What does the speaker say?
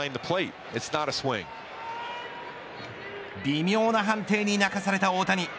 微妙な判定に泣かされた大谷。